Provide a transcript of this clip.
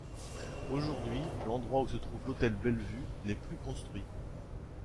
Aujourd'hui l'endroit où se trouvait l'hôtel Bellevue n'est plus construit.